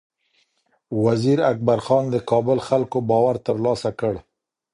وزیر اکبر خان د کابل خلکو باور ترلاسه کړ.